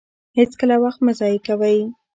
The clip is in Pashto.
هېڅکله وخت مه ضایع کوئ.